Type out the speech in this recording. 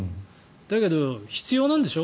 だけど、必要なんでしょ？